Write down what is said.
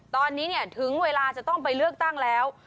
ตอนนี้ถึงเวลาจะต้องไปเลือกตั้งแล้ว